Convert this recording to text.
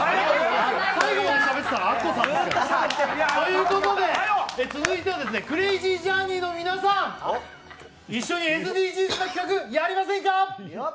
最後までしゃべってたのはアッコさんですよ。ということで、続いては「クレイジージャーニー」の皆さん、一緒にＳＤＧｓの企画やりませんか？